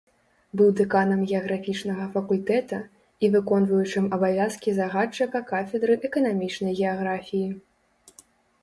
Быў дэканам геаграфічнага факультэта і выконваючым абавязкі загадчыка кафедры эканамічнай геаграфіі.